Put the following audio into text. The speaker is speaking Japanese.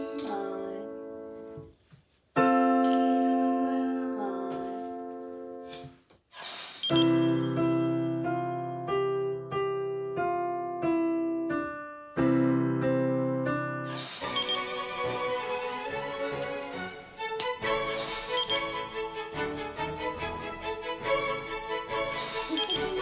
いってきます！